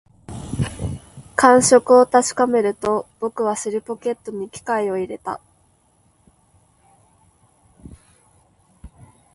感触を確かめると、僕は尻ポケットに機械を入れた